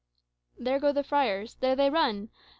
[There go the friars; there they run!